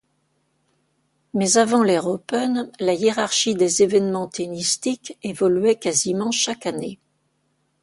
Mais avant l'ère open, la hiérarchie des événements tennistiques évoluait quasiment chaque année.